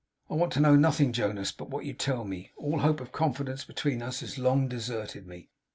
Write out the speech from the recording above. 'I want to know nothing, Jonas, but what you tell me. All hope of confidence between us has long deserted me!